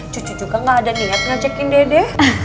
cucu juga gak ada niat ngajakin dede